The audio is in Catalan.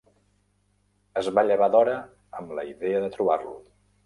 Es va llevar d'hora amb la idea de trobar-lo.